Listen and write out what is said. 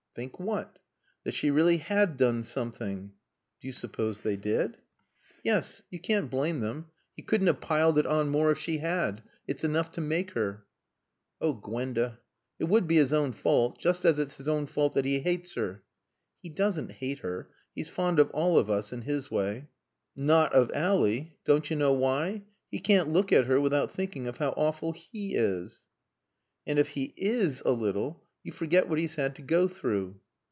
"Think what?" "That she really had done something." "Do you suppose they did?" "Yes. You can't blame them. He couldn't have piled it on more if she had. It's enough to make her." "Oh Gwenda!" "It would be his own fault. Just as it's his own fault that he hates her." "He doesn't hate her. He's fond of all of us, in his way." "Wot of Ally. Don't you know why? He can't look at her without thinking of how awful he is." "And if he is a little You forget what he's had to go through."